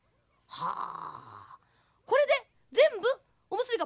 はあ。